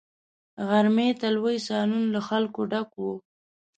غرمې ته لوی سالون له خلکو ډک وو.